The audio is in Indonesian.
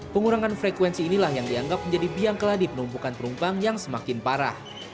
pengurangan frekuensi inilah yang dianggap menjadi biang keladi penumpukan penumpang yang semakin parah